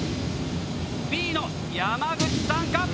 Ｂの山口さんか？